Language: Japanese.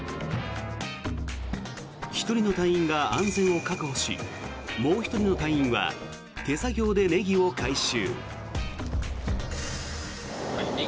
１人の隊員が安全を確保しもう１人の隊員は手作業でネギを回収。